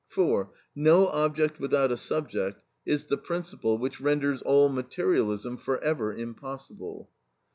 For, "no object without a subject," is the principle which renders all materialism for ever impossible.